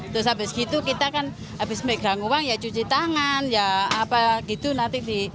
terus habis gitu kita kan habis megang uang ya cuci tangan ya apa gitu nanti di